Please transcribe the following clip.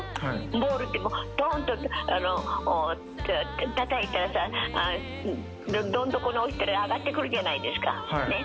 ボールって、ぼーんってたたいたらさ、どん底に落ちたら上がってくるじゃないですか、ね。